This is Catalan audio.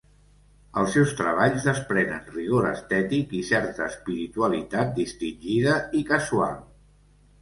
Els seus treballs desprenen rigor estètic i certa espiritualitat distingida i casual.